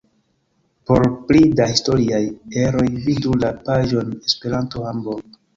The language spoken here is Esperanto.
Por pli da historiaj eroj vidu la paĝon Esperanto-Hamburg.